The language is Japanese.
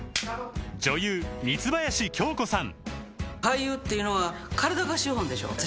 女優三林京子さん